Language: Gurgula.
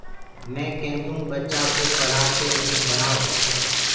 مي ڪينٚدو ٻچآ ڪو پڙهآ ڪي منک بڻآئو